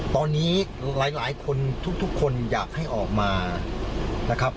ตอนนี้หลายคนทุกคนอยากให้ออกมานะครับ